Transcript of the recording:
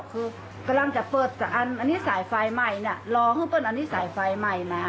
คือกำลังจะเปิดแต่อันอันนี้สายไฟใหม่น่ะรอเพื่อเปิ้ลอันนี้สายไฟใหม่น่ะ